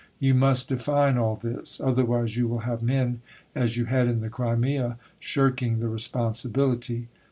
You must define all this. Otherwise you will have men, as you had in the Crimea, shirking the responsibility."